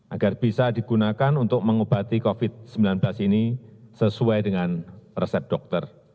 agar bisa digunakan untuk mengobati covid sembilan belas ini sesuai dengan resep dokter